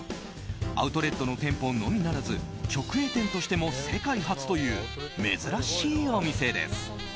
アウトレットの店舗のみならず直営店としても世界初という珍しいお店です。